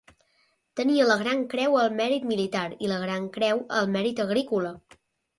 Tenia la Gran Creu al Mèrit Militar i la Gran Creu al Mèrit Agrícola.